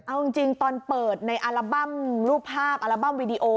เอาจริงตอนเปิดในอัลบั้มรูปภาพอัลบั้มวีดีโอ